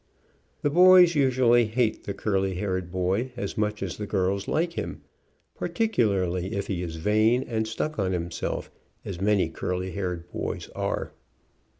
The boys usually hate the curly haired boy as much as the girls like him, particularly HAIR CUT CURLY 73 if he is vain and stuck on himself, as many curly haired boys are.